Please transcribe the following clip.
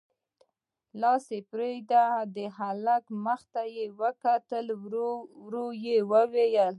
لاس يې پرېښود، د هلک مخ ته يې وکتل، ورو يې وويل: